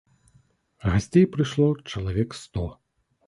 Гасцей прыйшло чалавек сто.